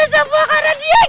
ini semua karena diego